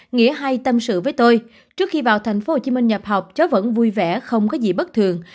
nghĩa hai tâm sự với tôi trước khi vào tp hcm nhập học cháu vẫn vui vẻ không có gì bất thường